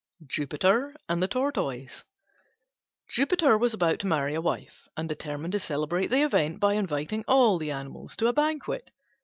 JUPITER AND THE TORTOISE Jupiter was about to marry a wife, and determined to celebrate the event by inviting all the animals to a banquet.